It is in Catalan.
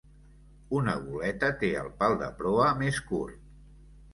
Una goleta té el pal de proa més curt.